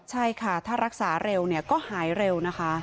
ใช่ค่ะถ้ารักษาเร็วเนี่ยก็หายเร็วนะคะ